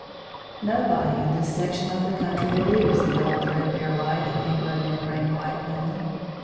Nobody in this section of the country believes the old thread bare lie that Negro men rape white women.